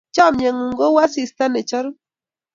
Chamyengung ko u asista ne charu